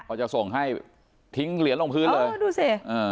ก็จะส่งให้ทิ้งเหรียญลงพื้นเลยดูสิอ่า